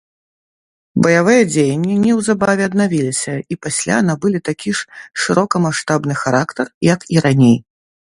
Баявыя дзеянні неўзабаве аднавіліся, і пасля набылі такі ж шырокамаштабны характар, як і раней.